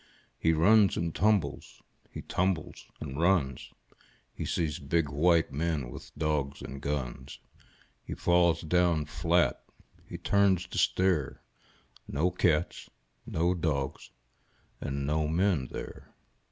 He runs and tumbles, he tumbles and runs. He sees big white men with dogs and guns. He falls down flat. H)e turns to stare — No cats, no dogs, and no men there.